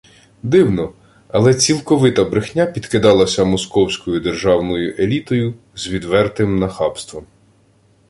Дивно, але цілковита брехня підкидалася московською державною елітою з відвертим нахабством